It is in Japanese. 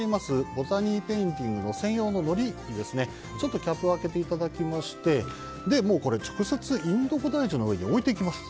ボタニーペインティングの専用ののりのキャップを開けていただきまして直接インドボダイジュの上に置いていきます。